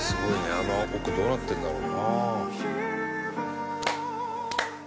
あの奥どうなってるんだろうな」